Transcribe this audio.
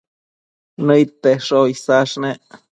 Nëid tesho isash nec